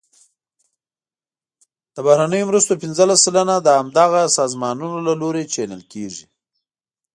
د بهرنیو مرستو پنځلس سلنه د همدغه سازمانونو له لوري چینل کیږي.